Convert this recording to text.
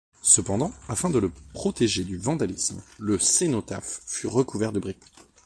Cependant, afin de le protéger du vandalisme, le cénotaphe fut recouvert de briques.